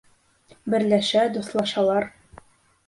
Берләшә, дуҫлашалар.